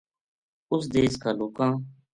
اُس دیس کا لوکاں